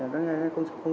có nghĩa là không chạy cố